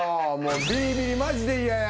ビリビリマジで嫌や。